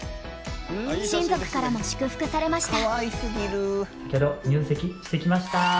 親族からも祝福されました。